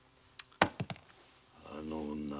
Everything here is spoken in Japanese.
あの女